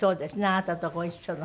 あなたとご一緒の。